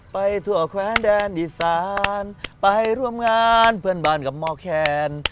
ไปทั่วแขวนแดนอีสานไปร่วมงานเพื่อนบ้านกับหมอแคน